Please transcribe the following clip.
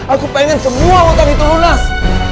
aku pengen semua hutan itu lunas